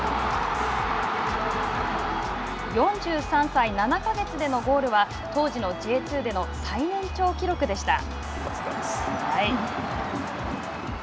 ４３歳７か月でのゴールは当時のＪ２での最年長記録でした。